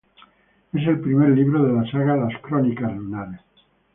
Es el primer libro de la saga Las Crónicas Lunares.